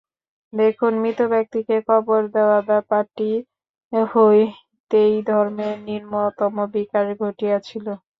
দেখুন, মৃত ব্যক্তিকে কবর দেওয়া ব্যাপারটি হইতেই ধর্মের নিম্নতম বিকাশ ঘটিয়াছিল।